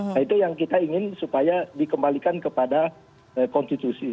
nah itu yang kita ingin supaya dikembalikan kepada konstitusi